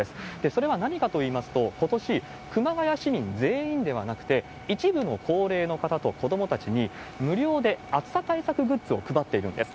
それは何かといいますと、ことし、熊谷市民全員ではなくて、一部の高齢の方と子どもたちに、無料で暑さ対策グッズを配っているんです。